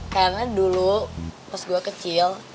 karena dulu pas gua kecil